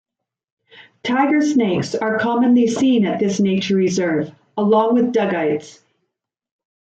Tiger Snakes are commonly seen at this nature reserve along with Dugites.